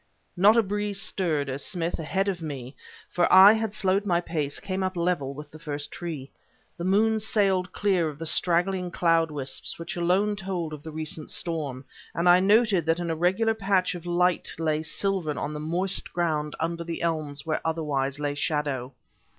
Not a breeze stirred, as Smith, ahead of me for I had slowed my pace came up level with the first tree. The moon sailed clear of the straggling cloud wisps which alone told of the recent storm; and I noted that an irregular patch of light lay silvern on the moist ground under the elms where otherwise lay shadow.